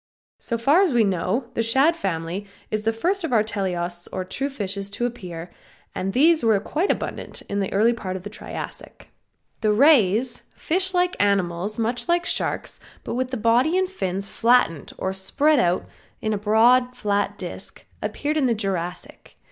So far as we know the Shad family is the first of our teleosts or true fishes to appear, and these were quite abundant in the early part of the Triassic. The rays, fish like animals much like Sharks, but with the body and fins flattened or spread out in a broad flat disc, appeared in the Jurassic.